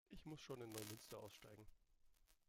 Ich muss schon in Neumünster aussteigen